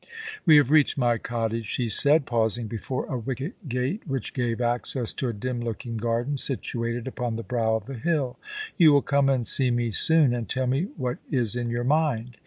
* We have reached my cottage,' she said, pausing before a wicket gate, which gave access to a dim looking garden situated upon the brow of the hilL * You will come and see me soon, and tell me what is in your mind.